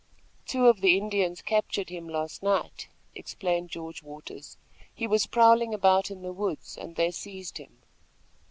"Two of the Indians captured him last night," explained George Waters. "He was prowling about in the woods, and they seized him."